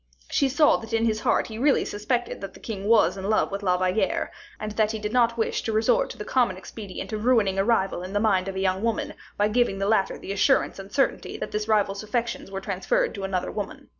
She saw that in his heart he really suspected that the king was in love with La Valliere, and that he did not wish to resort to the common expedient of ruining a rival in the mind of a woman, by giving the latter the assurance and certainty that this rival's affections were transferred to another woman.